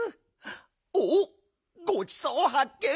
おっごちそうはっけん。